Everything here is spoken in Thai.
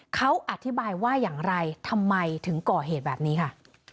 เขาอธิบายว่าอย่างไรทำไมถึงก่อเหตุแบบนี้ค่ะ